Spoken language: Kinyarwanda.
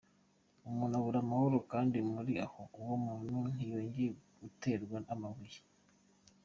Umuntu abure amahoro kandi muri aho? Uwo muntu ntiyongeye guterwa amabuye.